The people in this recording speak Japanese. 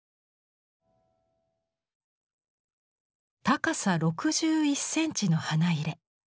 高さ６１センチの花入。